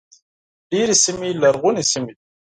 ډېرې سیمې لرغونې سیمې دي.